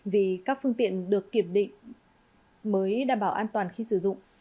vì các phương tiện được kiểm định mới đảm bảo an toàn khi sử dụng